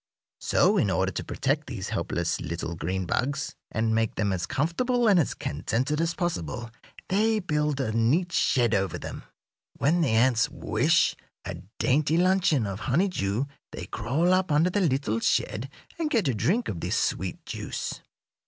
So in order to protect these helpless little green bugs, and make them as comfortable and contented as possible, they build a neat shed over them. When the ants wish a dainty luncheon of honeydew they crawl up under the little shed and get a drink of this sweet juice.